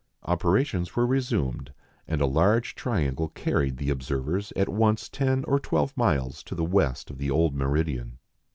Operations were resumed, and a large triangle carried the observers at once ten or twelve miles to the west of the old meridian.